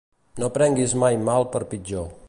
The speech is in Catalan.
No prenguis mai mal per pitjor.